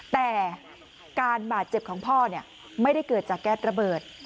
แต่การบาดเจ็บของพ่อไม่ได้เกิดจากแก๊สระเบิด